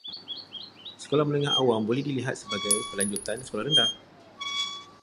Sekolah menengah awam boleh dilihat sebagai pelanjutan sekolah rendah.